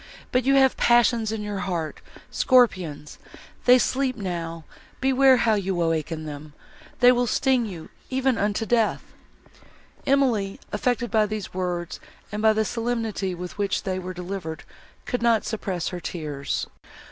—But you have passions in your heart,—scorpions; they sleep now—beware how you awaken them!—they will sting you, even unto death!" Emily, affected by these words and by the solemnity, with which they were delivered, could not suppress her tears.